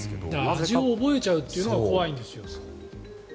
味を覚えちゃうというのが怖いんですよ。